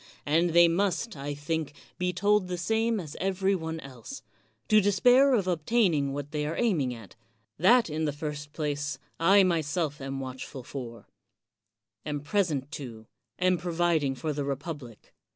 And they must, I think, be told the same as every one else — ^to despair of obtaining what they are aiming at; that in the first place, I myself am watchful for, am present to, am providing for the republic.